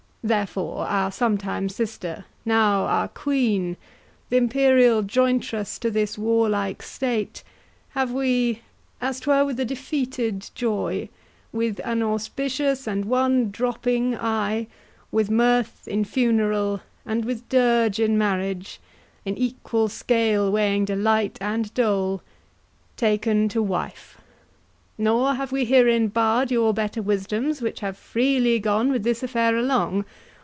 Therefore our sometime sister, now our queen, Th'imperial jointress to this warlike state, Have we, as 'twere with a defeated joy, With one auspicious and one dropping eye, With mirth in funeral, and with dirge in marriage, In equal scale weighing delight and dole, Taken to wife; nor have we herein barr'd Your better wisdoms, which have freely gone With this affair along.